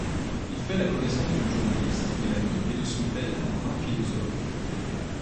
Il fait la connaissance d'une journaliste, Mélanie, et de son père un brin philosophe.